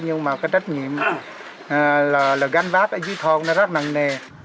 nhưng mà cái trách nhiệm là gắn váp ở dưới thôn nó rất nặng nề